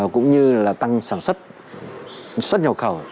cũng như là tăng sản xuất nhu cầu